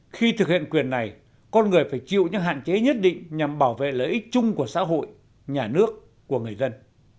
khi thực hiện quyền này con người phải chịu những hạn chế nhất định nhằm bảo vệ lợi ích chung của xã hội nhà nước của người dân